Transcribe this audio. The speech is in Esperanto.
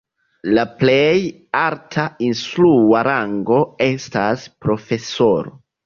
La plej alta instrua rango estas profesoro.